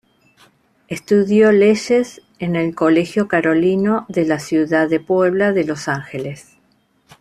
Estudió leyes en el Colegio Carolino de la ciudad de Puebla de los Ángeles.